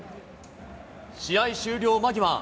試合終了間際。